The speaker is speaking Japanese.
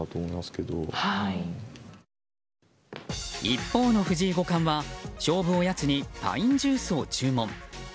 一方の藤井五冠は勝負おやつにパインジュースを注文。